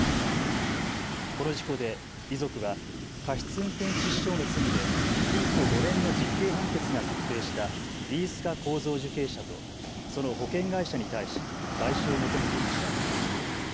この事故で遺族は過失運転致死傷の罪で禁錮５年の実刑判決が確定した飯塚幸三受刑者とその保険会社に対し賠償を求めていました。